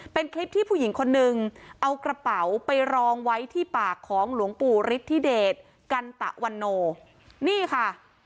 เป็นคลิปที่ผู้หญิงคนนึงเอากระเป๋าไปรองไว้ที่ปากของหลวงปู่ฤทธิเดชกันตะวันโนนี่ค่ะ